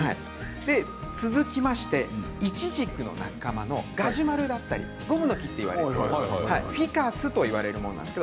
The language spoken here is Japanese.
続きまして、イチジクの仲間のガジュマルだったりゴムノキといわれるフィカスというものです。